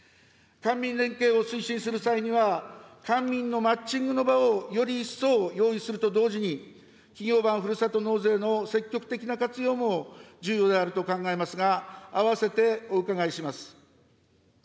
官民連携を推進する際には、官民のマッチングの場をより一層用意すると同時に、企業版ふるさと納税の積極的な活用も重要であると考えますが、併せてお伺いします。